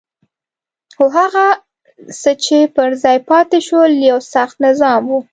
خو هغه څه چې پر ځای پاتې شول یو سخت نظام وو.